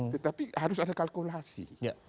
tetapi harus ada kalkulasi